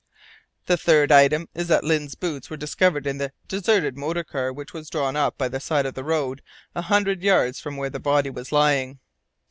"The third item is that Lyne's boots were discovered in the deserted motor car which was drawn up by the side of the road a hundred yards from where the body was lying.